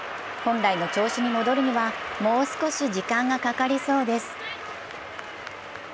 本来の調子に戻るにはもう少し時間がかかりそうです。